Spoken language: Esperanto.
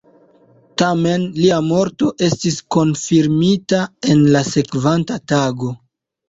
Tamen, lia morto estis konfirmita en la sekvanta tago.